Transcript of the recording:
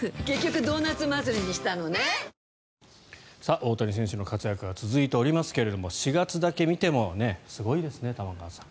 大谷選手の活躍が続いておりますが４月だけ見てもすごいですね玉川さん。